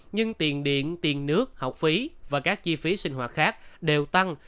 nhưng tiền điện tiền nước học phí và các chi phí sinh hoạt khác đều tăng